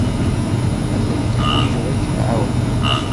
Ad ten-teḥwijed ad kem-ɛawnen.